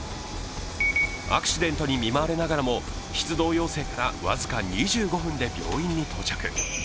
アクシデントに見舞われながらも出動要請から僅か２５分で病院に到着。